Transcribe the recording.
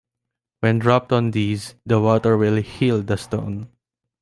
When dropped on these, the water will "heal" the stone.